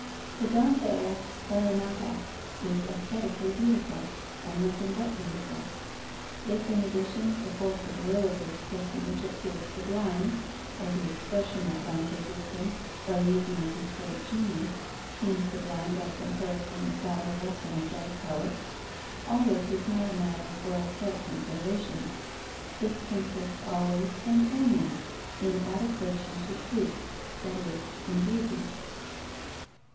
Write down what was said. The Dantesque Farinata is aesthetically beautiful, and nothing but beautiful: if, in addition, the force of will of this personage appear sublime, or the expression that Dante gives him, by reason of his great genius, seem sublime by comparison with that of a less energetic poet, all this is not a matter for aesthetic consideration. This consists always and only in adequation to truth; that is, in beauty.